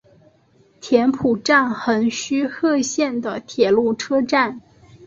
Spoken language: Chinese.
田浦站横须贺线的铁路车站。